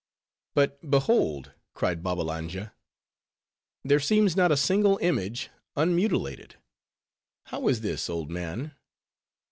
"But behold," cried Babbalanja, "there seems not a single image unmutilated. How is this, old man?"